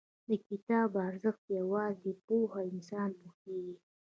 • د کتاب ارزښت، یوازې پوه انسان پوهېږي.